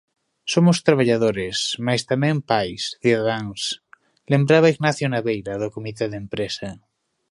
Somos traballadores, mais tamén pais, cidadáns, lembraba Ignacio Naveira, do comité de empresa.